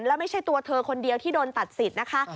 แล้วไม่ใช่ตัวเธอคนเดียวที่โดนตัดสิทธิ์นะคะ